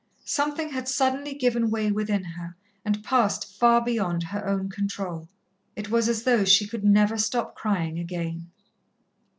Something had suddenly given way within her and passed far beyond her own control. It was as though she could never stop crying again.